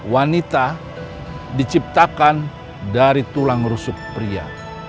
wanita diciptakan dari tulang rusuk pria